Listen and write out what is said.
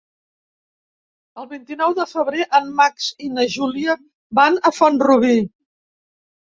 El vint-i-nou de febrer en Max i na Júlia van a Font-rubí.